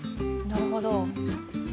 なるほど。